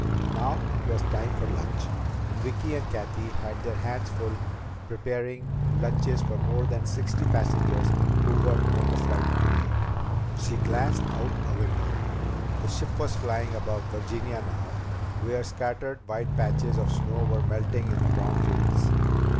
Now it was time for lunch, and Vicki and Cathy had their hands full preparing lunches for the more than sixty passengers who were on the flight today. She glanced out a window. The ship was flying above Virginia now, where scattered white patches of snow were melting in the brown fields.